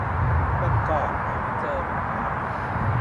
วันก่อนหาไม่เจอเหมือนกัน